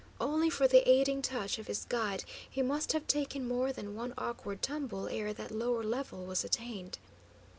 Only for the aiding touch of his guide, he must have taken more than one awkward tumble ere that lower level was attained.